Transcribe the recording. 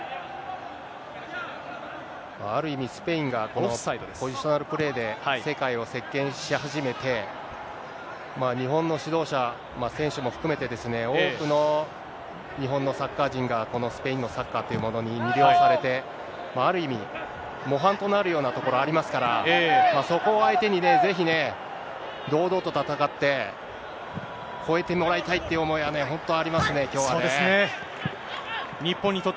ある意味、スペインがポジショナルプレーで世界を席けんし始めて、日本の指導者、選手も含めて、多くの日本のサッカー人がこのスペインのサッカーというものに魅了されて、ある意味、模範となるようなところありますから、そこを相手にね、ぜひね、堂々と戦って、越えてもらいたいという思いはね、本当ありますね、きょうはね。